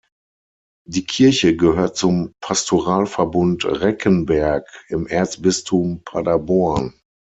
Die Kirche gehört zum Pastoralverbund Reckenberg im Erzbistum Paderborn.